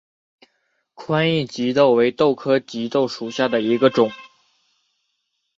宽翼棘豆为豆科棘豆属下的一个种。